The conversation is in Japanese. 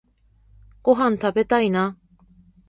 ごはんたべたいな